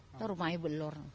itu rumahnya belor